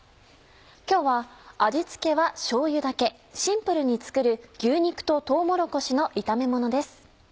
今日は味付けはしょうゆだけシンプルに作る「牛肉ととうもろこしの炒めもの」です。